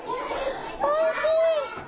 おいしい！